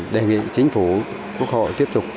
đề nghị chính phủ quốc hội tiếp tục